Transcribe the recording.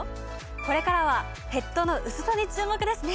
これからはヘッドの薄さに注目ですね！